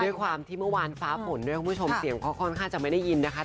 ด้วยความที่เมื่อวานฟ้าฝนด้วยคุณผู้ชมเสียงเขาค่อนข้างจะไม่ได้ยินนะคะ